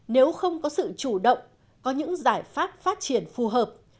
nếu không có sự chủ động có những giải pháp phát triển phù hợp